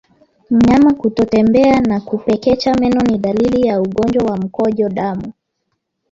Mnyama kutotembea na kupekecha meno ni dalili ya ugonjwa wa mkojo damu